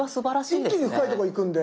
一気に深いとこ行くんで。